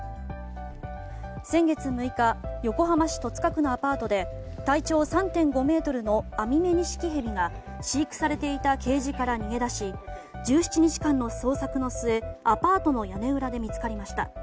先月６日横浜市戸塚区のアパートで体長３．５ｍのアミメニシキヘビが飼育されていたケージから逃げ出し１７日間の捜索の末アパートの屋根裏で見つかりました。